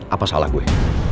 apa salah gue